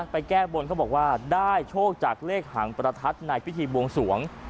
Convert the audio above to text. แก้บนเขาบอกว่าได้โชคจากเลขหางประทัดในพิธีบวงสวง